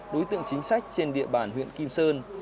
đối tượng chính sách trên địa bàn huyện kim sơn